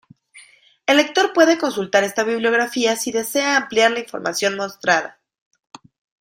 El lector puede consultar esta bibliografía si desea ampliar la información mostrada.